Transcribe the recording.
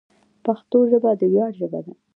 پښتو ژبه د ویاړ ژبه ده.